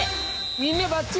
みんなばっちり？